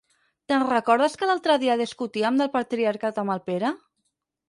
Te'n recordes que l'altre dia discutíem del patriarcat amb el Pere?